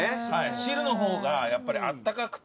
汁の方がやっぱりあったかくて。